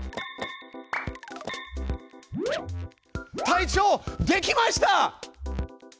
隊長できました！